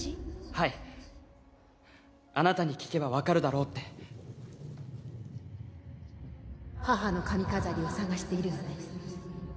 はいあなたに聞けば分かるだろうって母の髪飾りを捜しているのね